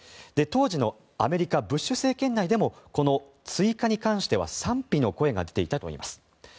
当時のアメリカブッシュ政権内でもこの追加に関しては賛否の声が出ていたといいます。